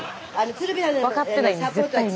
スタジオ分かってないんです絶対に。